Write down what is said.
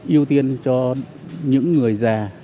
yêu tiên cho những người già